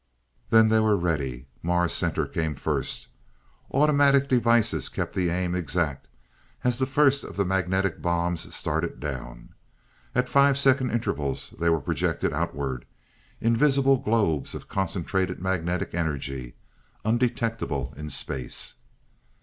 Then they were ready. Mars Center came first. Automatic devices kept the aim exact, as the first of the magnetic bombs started down. At five second intervals they were projected outward, invisible globes of concentrated magnetic energy, undetectable in space.